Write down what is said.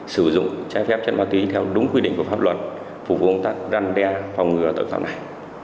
sử dụng trái phép chất ma túy theo đúng quy định của pháp luật phục vụ công tác răn đe phòng ngừa tội phạm này